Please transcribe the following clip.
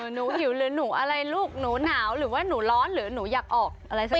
หิวหรือหนูอะไรลูกหนูหนาวหรือว่าหนูร้อนหรือหนูอยากออกอะไรสัก